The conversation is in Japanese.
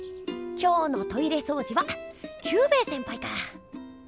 今日のトイレそうじはキュウベイせんぱいかぁ。